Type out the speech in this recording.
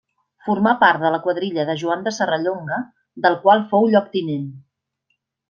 Formà part de la quadrilla de Joan de Serrallonga, del qual fou lloctinent.